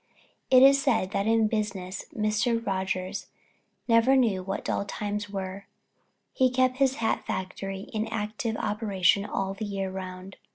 It is said that in business Mr. Rogers never knew what dull times were; he kept his hat factory in active operation all the year round.